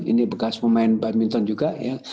ini bekas pemain badminton juga ya